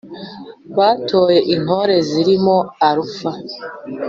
Batayo intore zirimo Alpha,